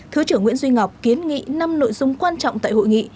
thứ trưởng nguyễn duy ngọc kiến nghị năm nội dung quan trọng tại hội nghị